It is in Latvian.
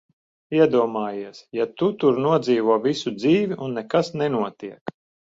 Iedomājies, ja tu tur nodzīvo visu dzīvi, un nekas nenotiek!